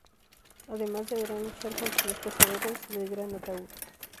Además deberán luchar contra los cazadores del gran ataúd.